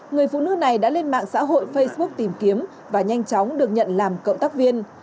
người phụ nữ này đã lên mạng xã hội facebook tìm kiếm và nhanh chóng được nhận làm cộng tác viên